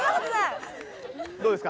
どうですか？